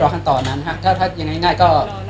แล้วจะตรวจอย่างไรอย่างเงี้ยครับ